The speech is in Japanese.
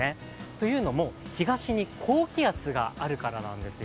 というのも東に高気圧があるからなんですよ。